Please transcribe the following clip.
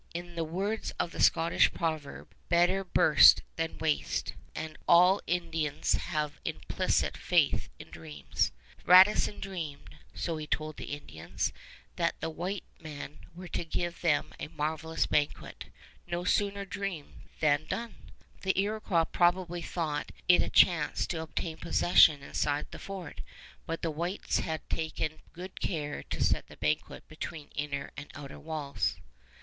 In the words of the Scotch proverb, "Better burst than waste." And all Indians have implicit faith in dreams. Radisson dreamed so he told the Indians that the white men were to give them a marvelous banquet. No sooner dreamed than done! The Iroquois probably thought it a chance to obtain possession inside the fort; but the whites had taken good care to set the banquet between inner and outer walls.